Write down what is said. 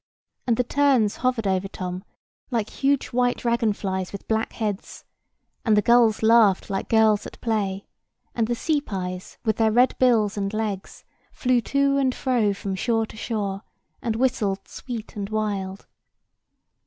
And the terns hovered over Tom like huge white dragon flies with black heads, and the gulls laughed like girls at play, and the sea pies, with their red bills and legs, flew to and fro from shore to shore, and whistled sweet and wild.